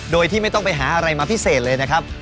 โดยที่ไม่ต้องไปหาอะไรมาพิเศษเลยนะครับ